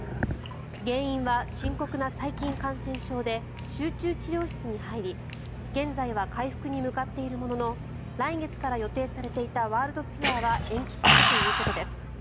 原因は深刻な細菌感染症で集中治療室に入り現在は回復に向かっているものの来月から予定されていたワールドツアーは延期するということです。